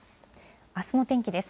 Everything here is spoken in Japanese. あすの天気です。